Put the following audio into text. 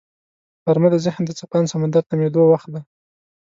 غرمه د ذهن د څپاند سمندر تمېدو وخت دی